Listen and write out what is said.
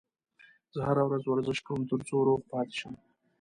زه هره ورځ ورزش کوم ترڅو روغ پاتې شم